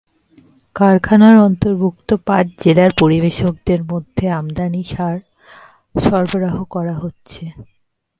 কারখানার অন্তর্ভুক্ত পাঁচ জেলার পরিবেশকদের মধ্যে আমদানি করা সার সরবরাহ করা হচ্ছে।